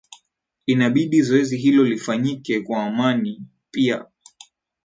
inabidi zoezi hilo lifanyike kwa amani pia